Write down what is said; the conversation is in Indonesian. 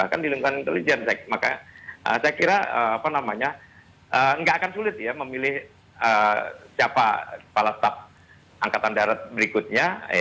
kan di lingkungan intelijen saya kira nggak akan sulit ya memilih siapa kepala staf angkatan darat berikutnya